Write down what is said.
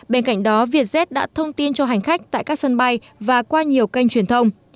bên cạnh đó vietjet đã thông tin cho hành khách tại các sân bay và qua nhiều kênh truyền thông